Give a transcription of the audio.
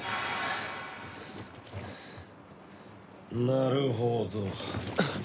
なるほど。